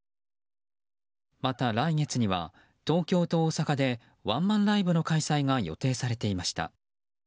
また、来月には東京と大阪でワンマンライブの開催が予定されていました。